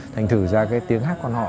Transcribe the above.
thành thử ra cái tiếng hát con họ